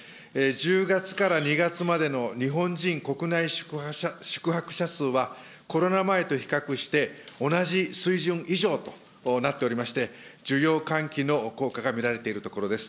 １０月から２月までの日本人国内宿泊者数は、コロナ前と比較して、同じ水準以上となっておりまして、需要喚起の効果が見られているところです。